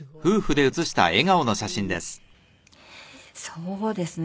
そうですね。